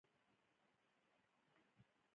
ګډون مخوکی او مشارکتي جوړښت باید تامین شي.